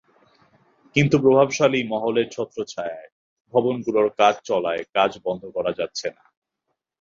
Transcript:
কিন্তু প্রভাবশালী মহলের ছত্রচ্ছায়ায় ভবনগুলোর কাজ চলায় কাজ বন্ধ করা যাচ্ছে না।